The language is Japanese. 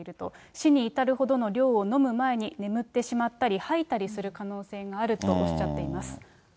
死に至るほどの量を飲む前に眠ってしまったり、吐いたりする可能性があるとおっしゃっています。